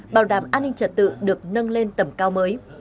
bảo đảm an ninh trật tự được nâng lên tầm cao mới